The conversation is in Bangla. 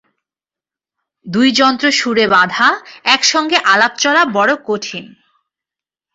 দুই যন্ত্র সুরে বাঁধা, একসঙ্গে আলাপ চলা বড়ো কঠিন।